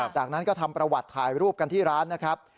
จากนั้นก็ทำประวัติถ่ายรูปกันที่ร้านนะครับ